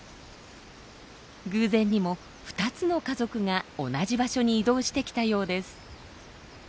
偶然にも２つの家族が同じ場所に移動してきたようです。